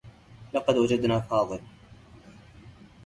لقد وجدنا فاضل.